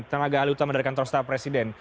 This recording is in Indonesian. tenaga ahli utama dari kantor setara presiden